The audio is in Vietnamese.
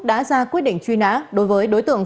đã ra quyết định truy nã đối với đối tượng